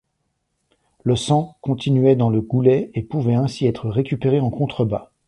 Le sang, continuait dans le goulet et pouvait ainsi être récupéré en contrebas.